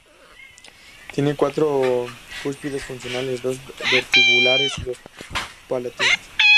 Tiene cuatro cúspides funcionales: dos vestibulares y dos palatinas.